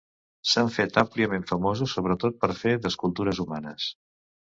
S'han fet àmpliament famosos sobretot per fer d'escultures humanes.